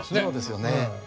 そうですよね。